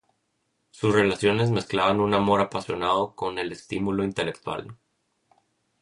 Sus relaciones mezclaban un amor apasionado con el estímulo intelectual.